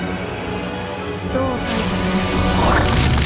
どう対処する？